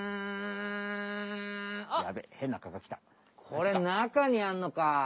これなかにあんのか！